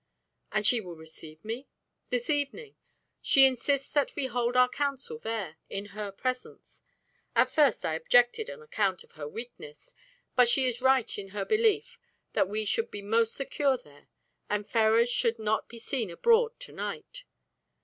"And she will receive me?" "This evening. She insists that we hold our council there, in her presence. At first I objected, on account of her weakness, but she is right in her belief that we should be most secure there, and Ferrars should not be seen abroad to night.